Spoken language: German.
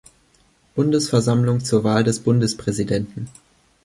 Bundesversammlung zur Wahl des Bundespräsidenten.